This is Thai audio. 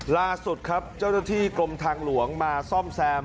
ล่าสุดครับเจ้าหน้าที่กรมทางหลวงมาซ่อมแซม